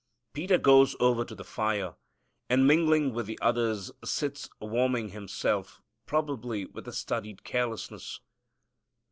Peter goes over to the fire, and, mingling with the others, sits warming himself, probably with a studied carelessness.